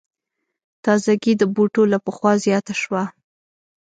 تازګي د بوټو له پخوا زیاته شوه.